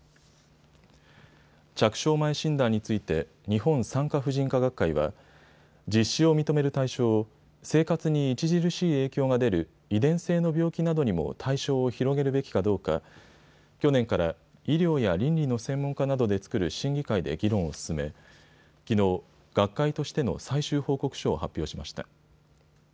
着床前診断について日本産科婦人科学会は実施を認める対象を生活に著しい影響が出る遺伝性の病気などにも対象を広げるべきかどうか去年から医療や倫理の専門家などで作る審議会で議論を進めきのう、学会としての最終報告書を発表しました。